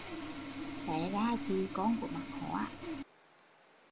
Té ra chị con của bác Khóa